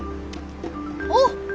あっ！